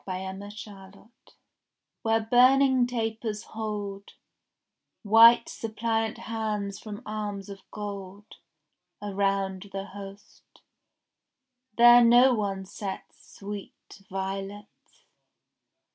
XXVII VIOLETS WHERE burning tapers hold White suppliant hands from arms of gold Around the Host; there no one sets Sweet violets.